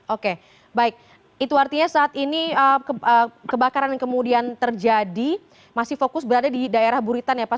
oke baik itu artinya saat ini kebakaran yang kemudian terjadi masih fokus berada di daerah buritan ya pak